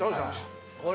これ。